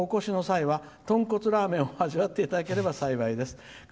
とんこつラーメンを味わっていただければ幸いです。